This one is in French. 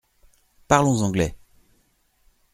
Parlons anglais.